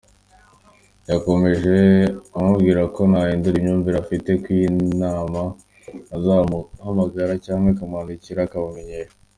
Yakomeje amubwira ko nahindura imyumvire afite kuri iyi nama azamuhamagara cyangwa akamwandikira akamumenyesha.